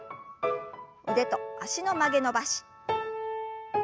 腕と脚の曲げ伸ばし。